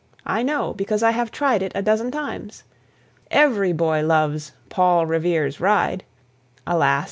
I know because I have tried it a dozen times. Every boy loves "Paul Revere's Ride" (alas!